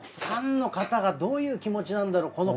ファンの方がどういう気持ちなんだろう？